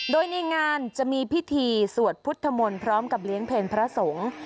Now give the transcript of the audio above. โดยในงานจะมีพิธีสวดพุทธมนต์พร้อมกับเลี้ยงเพลพระสงฆ์